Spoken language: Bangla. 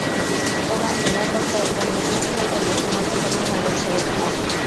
তোমার নিরাপত্তা একবার নিশ্চিত হয়ে গেলে, তোমাকে তোমার হালে ছেড়ে দিব।